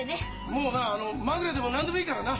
もうなまぐれでも何でもいいからな。